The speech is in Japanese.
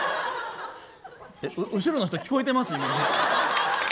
後ろの人、聞こえてます？